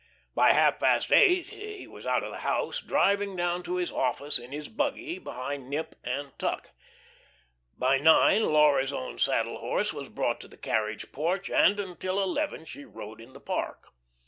By half past eight he was out of the house, driving down to his office in his buggy behind Nip and Tuck. By nine Laura's own saddle horse was brought to the carriage porch, and until eleven she rode in the park.